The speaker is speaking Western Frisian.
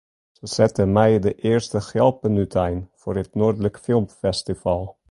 Se sette mei de earste gjalpen útein foar it Noardlik Film Festival.